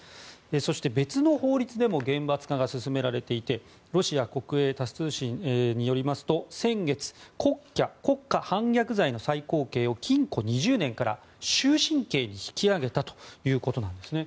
そして、別の法律でも厳罰化が進められていてロシア国営タス通信によりますと先月、国家反逆罪の最高刑を禁錮２０年から終身刑に引き上げたということなんですね。